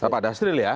pak dasril ya